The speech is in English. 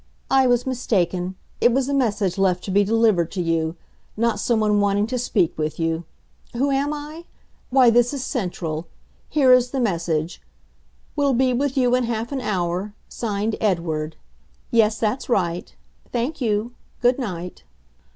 "I was mistaken. It was a message left to be delivered to you not some one wanting to speak with you. Who am I? Why, this is Central. Here is the message: 'Will be with you in half an hour.' Signed 'Edward.' ... Yes, that's right. Thank you. Good night."